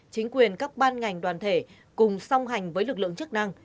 chính quyền các ban ngành đoàn thể cùng song hành với lực lượng chức năng